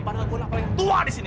padahal gue anak paling tua di sini